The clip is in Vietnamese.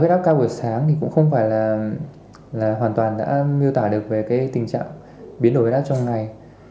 huyết áp cao buổi sáng thì cũng không phải là hoàn toàn đã miêu tả được về cái tình trạng biến đổi huyết áp trong ngày